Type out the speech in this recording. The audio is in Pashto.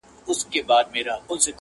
لا ترڅو به وچ په ښاخ پوري ټالېږم؛